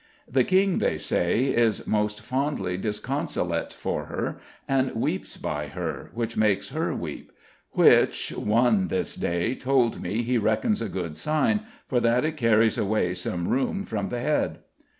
The King they all say is most fondly disconsolate for her, and weeps by her, which makes her weep; which one this day told me he reckons a good sign, for that it carries away some rheume from the head.